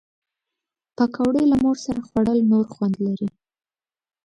پکورې له مور سره خوړل نور خوند لري